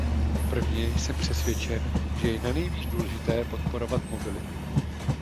Prvně, jsem přesvědčen, že je nanejvýš důležité podporovat mobilitu.